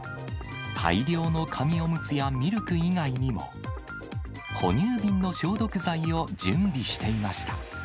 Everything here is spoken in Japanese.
大量の紙おむつやミルク以外にも、哺乳瓶の消毒剤を準備していました。